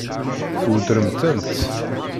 Tweddṛem-tent?